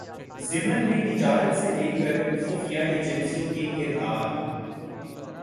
ضمن میں تجارت سے لے کرخفیہ ایجنسیوں کے کردار